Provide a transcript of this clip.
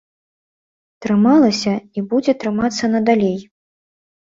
Трымалася і будзе трымацца надалей.